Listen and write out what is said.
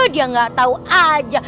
dia gak tau aja